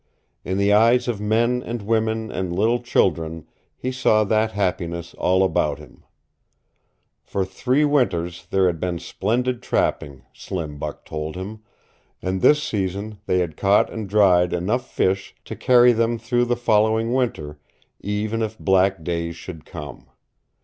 In the eyes of men and women and little children he saw that happiness all about him. For three winters there had been splendid trapping, Slim Buck told him, and this season they had caught and dried enough fish to carry them through the following winter, even if black days should come.